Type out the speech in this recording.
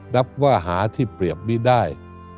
นับว่าหาที่เปรียบไม่ได้